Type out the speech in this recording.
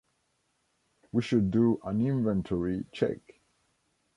We should do an inventory check.